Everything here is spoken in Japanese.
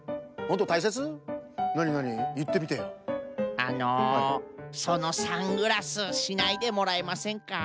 あのそのサングラスしないでもらえませんか？